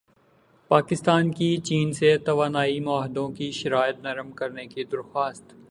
پاکستان کی چین سے توانائی معاہدوں کی شرائط نرم کرنے کی درخواست